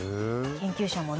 研究者もね